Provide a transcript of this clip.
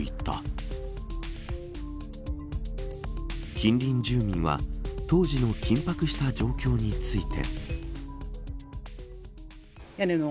近隣住民は当時の緊迫した状況について。